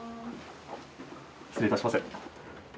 失礼いたします。